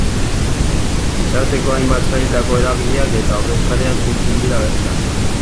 Gizarteko hainbat sailetako eragileak eta ordezkariak biltzen dira bertan.